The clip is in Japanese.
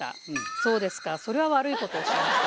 「そうですかそれは悪いことをしました」。